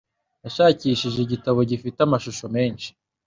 Nashakishije igitabo gifite amashusho menshi.